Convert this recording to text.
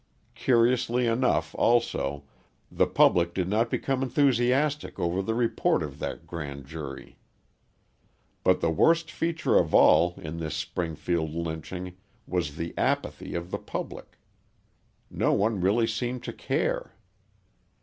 Curiously enough, also, the public did not become enthusiastic over the report of that grand jury. But the worst feature of all in this Springfield lynching was the apathy of the public. No one really seemed to care.